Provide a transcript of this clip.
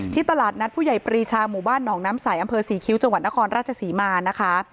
ตลาดนัดผู้ใหญ่ปรีชาหมู่บ้านหนองน้ำใสอำเภอศรีคิ้วจังหวัดนครราชศรีมานะคะ